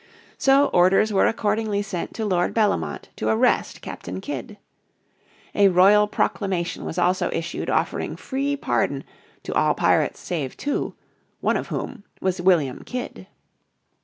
So orders were accordingly sent to Lord Bellomont to arrest Captain Kidd. A royal proclamation was also issued offering free pardon to all pirates save two, one of whom was William Kidd.